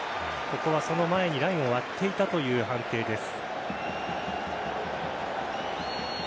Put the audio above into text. ここはその前にラインを割っていたという判定です。